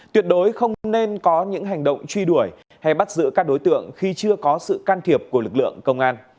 tuyệt đối không nên có những hành động truy đuổi hay bắt giữ các đối tượng khi chưa có sự can thiệp của lực lượng công an